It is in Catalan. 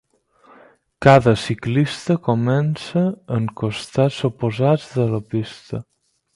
Cada ciclista comença en costats oposats de la pista.